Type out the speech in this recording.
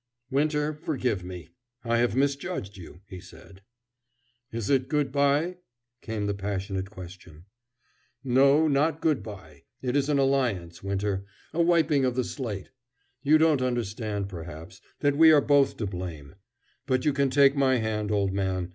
"Winter, forgive me, I have misjudged you," he said. "Is it good by?" came the passionate question. "No, not good by. It is an alliance, Winter, a wiping of the slate. You don't understand, perhaps, that we are both to blame. But you can take my hand, old man.